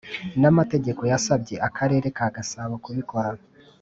n amategeko yasabye Akarere ka gasabo kubikora